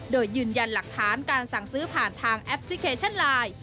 โดยยืนยันหลักฐานการสั่งซื้อผ่านทางแอปพลิเคชันไลน์